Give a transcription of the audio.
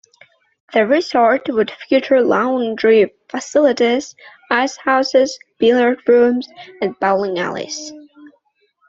The resort would feature laundry facilities, ice houses, billiard rooms, and bowling alleys.